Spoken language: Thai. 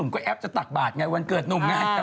เราก็จะแอปจะตักบาทไงกับวันเกิดหนุ่มไง